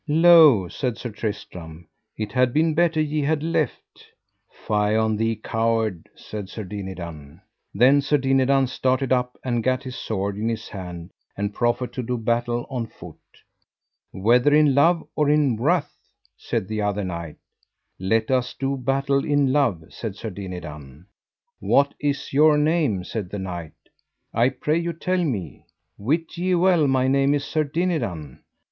Lo, said Sir Tristram, it had been better ye had left. Fie on thee, coward, said Sir Dinadan. Then Sir Dinadan started up and gat his sword in his hand, and proffered to do battle on foot. Whether in love or in wrath? said the other knight. Let us do battle in love, said Sir Dinadan. What is your name, said that knight, I pray you tell me. Wit ye well my name is Sir Dinadan.